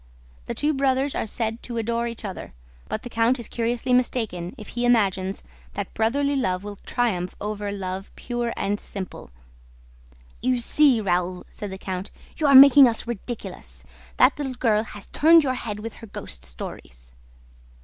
The two brothers are said to adore each other; but the count is curiously mistaken if he imagines that brotherly love will triumph over love pure and simple." "You see, Raoul," said the count, "you are making us ridiculous! That little girl has turned your head with her ghost stories."